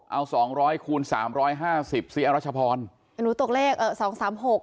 เอาสองร้อยคูณสามร้อยห้าสิบสิรัชพรหนูตกเลขเอ่อสองสามหก